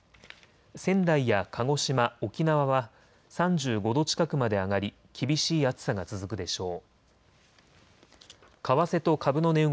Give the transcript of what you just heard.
仙台や鹿児島、沖縄は３５度近くまで上がり厳しい暑さが続くでしょう。